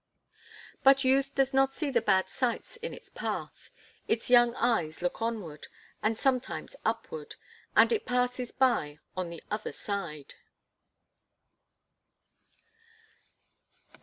But youth does not see the bad sights in its path. Its young eyes look onward, and sometimes upward, and it passes by on the other side.